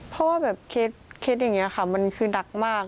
เพราะว่าแบบเคสอย่างนี้ค่ะมันคือหนักมาก